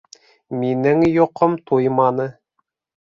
Минең йоҡом туйманы.